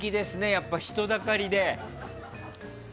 やっぱり人だかりで。